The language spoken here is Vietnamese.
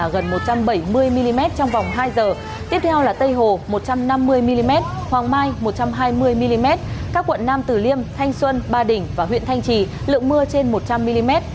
gần một trăm bảy mươi mm trong vòng hai giờ tiếp theo là tây hồ một trăm năm mươi mm hoàng mai một trăm hai mươi mm các quận nam tử liêm thanh xuân ba đỉnh và huyện thanh trì lượng mưa trên một trăm linh mm